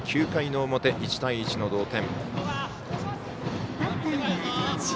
９回の表、１対１の同点。